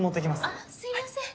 あっすいません